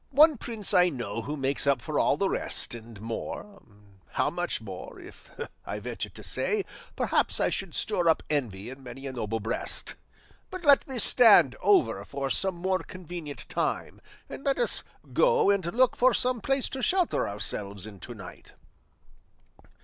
One prince I know who makes up for all the rest, and more how much more, if I ventured to say, perhaps I should stir up envy in many a noble breast; but let this stand over for some more convenient time, and let us go and look for some place to shelter ourselves in to night."